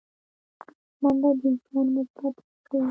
منډه د ژوند مثبت اړخ ښيي